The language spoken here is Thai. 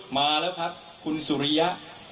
มาแล้วครับคุณสุริยะ